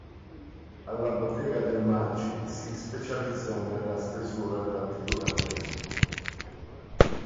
Alla bottega del Maggi si specializzò nella stesura della pittura a fresco.